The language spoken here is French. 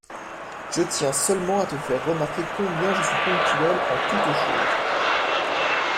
Je tiens seulement à te faire remarquer combien je suis ponctuel en toute chose.